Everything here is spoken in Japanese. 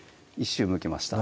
１周むきました